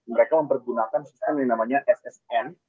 mereka mempergunakan yang namanya ssn